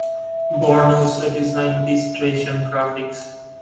Born also designed the station graphics.